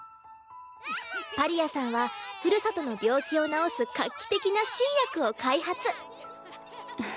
パリアさんはふるさとの病気を治す画期的な新薬を開発